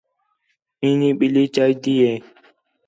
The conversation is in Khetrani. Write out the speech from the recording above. اِینی ٻِلّھی چاہیجدی ہِے